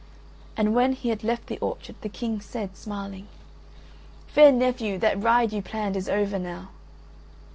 And when he had left the orchard, the King said smiling: "Fair nephew, that ride you planned is over now."